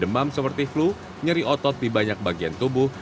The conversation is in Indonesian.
demam seperti flu nyeri otot di banyak bagian tubuh